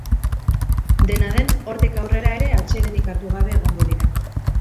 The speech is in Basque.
Dena den, hortik aurrera ere, atsedenik hartu gabe egongo dira.